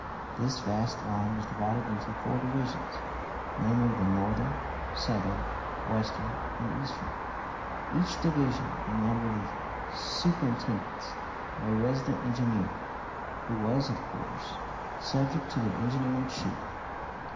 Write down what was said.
This vast line was divided into four divisions namely, the northern, southern, western, and eastern; each division being under the superintendence of a resident engineer, who was, of course, subject to the engineer in chief.